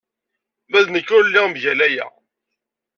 Ma d nekk ur lliɣ mgal waya.